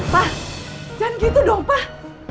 pak jangan gitu dong pak